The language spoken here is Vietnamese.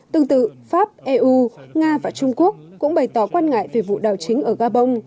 tương tự pháp eu nga và trung quốc cũng bày tỏ quan ngại về vụ đảo chính ở gabon